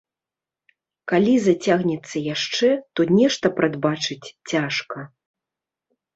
Калі зацягнецца яшчэ, то нешта прадбачыць цяжка.